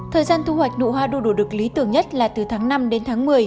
thời gian thu hoạch nụ hoa đu đủ đực lý tưởng nhất là từ tháng năm đến tháng một mươi